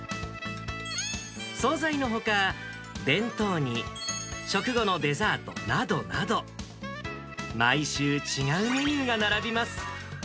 総菜のほか、弁当に食後のデザートなどなど、毎週、違うメニューが並びます。